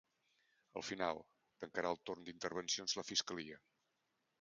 Al final, tancarà el torn d’intervencions la fiscalia.